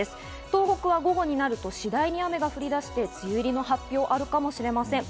東北は午後になると次第に雨が降り出して梅雨入りの発表があるかもしれません。